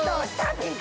ピンク。